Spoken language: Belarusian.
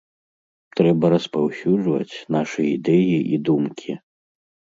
Трэба распаўсюджваць нашы ідэі і думкі.